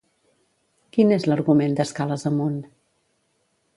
Quin és l'argument d'Escales amunt?